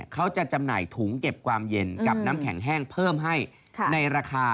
เขาจะจำหน่ายถุงเก็บความเย็นกับน้ำแข็งแห้งเพิ่มให้